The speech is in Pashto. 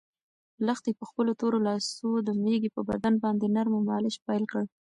لښتې په خپلو تورو لاسو د مېږې په بدن باندې نرمه مالش پیل کړ.